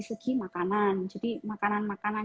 segi makanan jadi makanan makanan